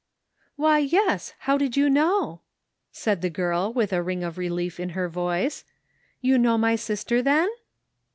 "" Why yes, how did you know? " said the girl with a ring of relief in her voice. " You know my sister, then?